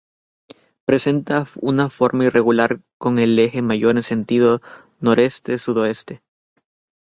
Presenta una forma irregular con el eje mayor en sentido noreste-sudoeste.